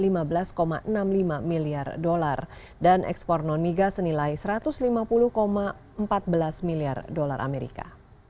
nilai ekspor non migas di indonesia mencapai lima belas enam puluh lima miliar dolar dan ekspor non migas senilai satu ratus lima puluh empat belas miliar dolar amerika